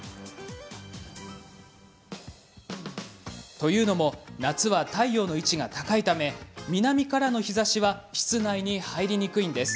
というのも夏は太陽の位置が高いため南からの日ざしは室内に入りにくいんです。